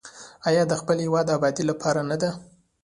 آیا د خپل هیواد د ابادۍ لپاره نه ده؟